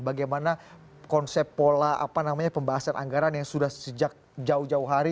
bagaimana konsep pola pembahasan anggaran yang sudah sejak jauh jauh hari